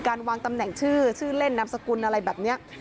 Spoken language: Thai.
การวางตำแหน่งชื่อชื่อเล่นนามสกุลอะไรแบบนี้